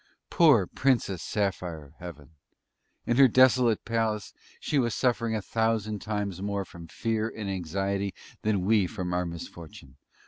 Poor Princess Saphire of Heaven! In her desolate Palace she was suffering a thousand times more from fear and anxiety than we from our misfortune.